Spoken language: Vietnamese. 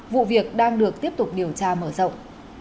vụ việc đang được tiếp tục điều tra mở rộng